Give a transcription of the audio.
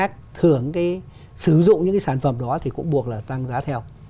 phẩm đó thì cũng buộc là tăng giá theo